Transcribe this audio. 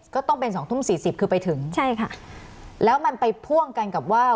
ก็ต้องเป็นสองทุ่มสี่สิบคือไปถึงใช่ค่ะแล้วมันไปพ่วงกันกับว่า